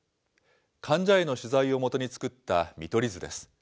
患者への取材をもとに作った見取り図です。